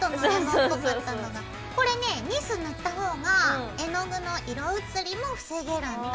これねニス塗った方が絵の具の色移りも防げるんだ。